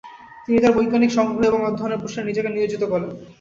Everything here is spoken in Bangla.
তিনি তাঁর বৈজ্ঞানিক সংগ্রহ এবং অধ্যয়নের প্রসারে নিজেকে নিয়োজিত করেন।